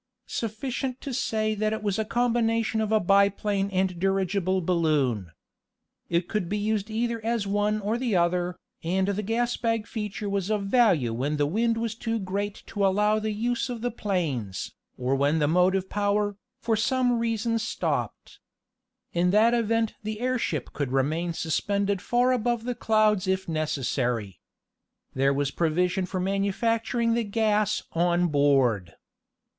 Sufficient to say that it was a combination of a biplane and dirigible balloon. It could be used either as one or the other, and the gas bag feature was of value when the wind was too great to allow the use of the planes, or when the motive power, for some reason stopped. In that event the airship could remain suspended far above the clouds if necessary. There was provision for manufacturing the gas on board.